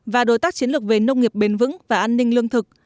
và đối tác chiến lược về nông nghiệp bền vững và an ninh lương thực